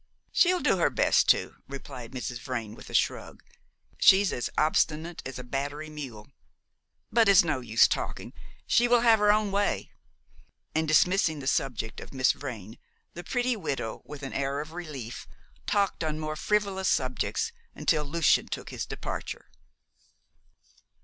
"She'll do her best to," replied Mrs. Vrain, with a shrug. "She's as obstinate as a battery mule; but it's no use talking, she will have her own way," and dismissing the subject of Miss Vrain, the pretty widow, with an air of relief, talked on more frivolous subjects until Lucian took his departure.